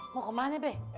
mau kemana be